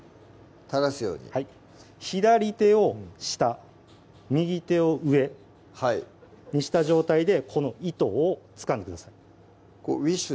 垂らすようにはい左手を下右手を上はいにした状態でこの糸をつかんでくださいうぃっしゅ！